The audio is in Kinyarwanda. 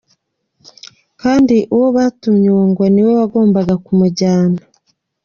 Kandi uwo batumye uwo ngo niwe wagombaga kumujyana!